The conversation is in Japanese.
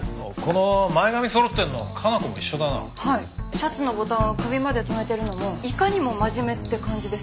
シャツのボタンを首まで留めてるのもいかにも真面目って感じです。